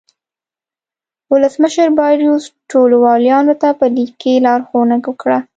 ولسمشر باریوس ټولو والیانو ته په لیک کې لارښوونه وکړه.